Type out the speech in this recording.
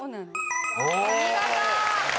お見事！